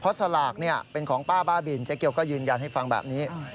เพราะสลากเป็นของป้าบ้าบินเจ๊เกียวก็ยืนยันให้ฟังแบบนี้